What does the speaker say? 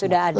sudah ada ya